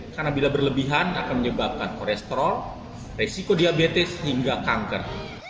karena bila berlebihan akan menyebabkan korestrol resiko diabetes hingga kanker